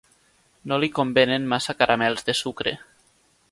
No li convenen massa caramels de sucre.